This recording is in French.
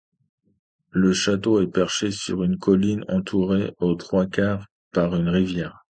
Le château est perché sur une colline entouré aux trois quarts par une rivière.